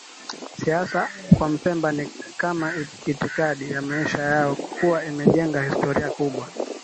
Siasa kwa Mpemba ni kama itikadi ya maisha yao kwakua imejenga historia kubwa